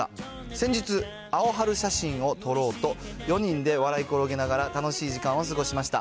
先日、アオハル写真を撮ろうと、４人で笑い転げながら楽しい時間を過ごしました。